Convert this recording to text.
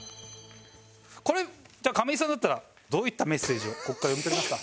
これ亀井さんだったらどういったメッセージをここから読み取りますか？